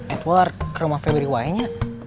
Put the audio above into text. edward ke rumah febriway nya